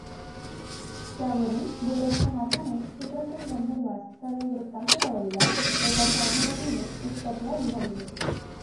त्यावरून गोरक्षनाथाने चित्रसेनगंधर्वास सर्व वृत्तान्त कळविला व त्याच्या अनुमतीने एक पत्र लिहविले.